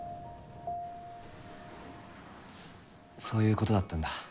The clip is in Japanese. そういう事だったんだ。